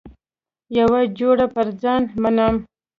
یوه جوړه پر ځان منم.